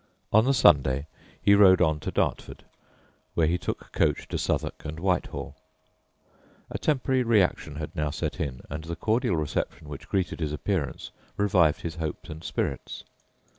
On the Sunday he rode on to Dartford, where he took coach to Southwark and Whitehall. A temporary reaction had now set in, and the cordial reception which greeted his reappearance revived his hopes and spirits.